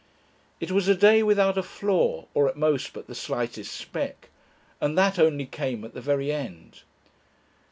It was a day without a flaw, or at most but the slightest speck. And that only came at the very end.